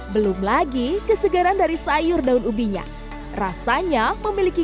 belum lagi kesegaran dari sayur daun ubinya rasanya memiliki